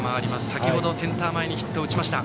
先程センター前にヒットを打ちました。